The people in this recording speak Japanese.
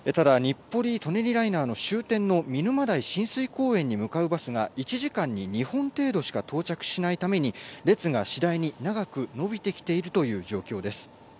ただ日暮里・舎人ライナーの終点の見沼代親水公園に向かうバスが１時間に２本程度しか到着しないために列が次第に長く延びてきているという状況です。